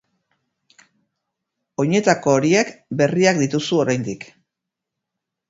Oinetako horiek berriak dituzu oraindik.